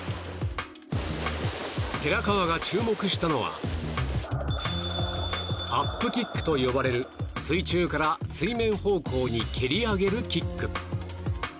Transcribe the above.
寺川が注目したのはアップキックと呼ばれる水中から水面方向に蹴り上げるキック。